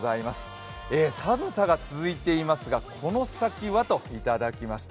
寒さが続いてますがこの先は？といただきました。